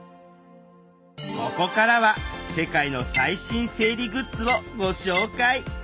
ここからは世界の最新生理グッズをご紹介！